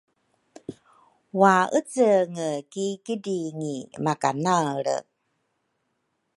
waecenge ki kidringi makanaelre.